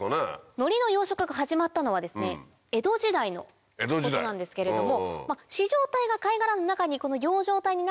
のりの養殖が始まったのは江戸時代のことなんですけども。